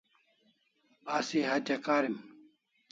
Asi hatya karim